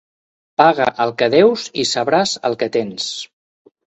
Paga el que deus i sabràs el que tens.